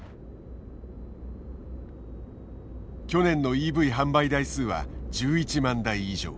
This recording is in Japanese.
去年のＥＶ販売台数は１１万台以上。